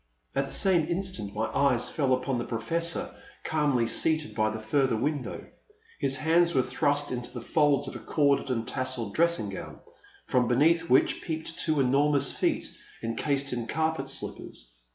'* At the same instant my eyes fell upon the Professor, calmly seated by the further win dow. His hands were thrust into the folds of a corded and tasselled dressing gown, from beneath which peeped two enormous feet encased in car pet slippers.